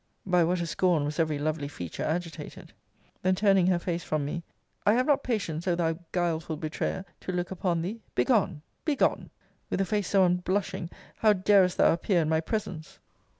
By what a scorn was every lovely feature agitated! Then turning her face from me, I have not patience, O thou guileful betrayer, to look upon thee! Begone! Begone! With a face so unblushing, how darest thou appear in my presence?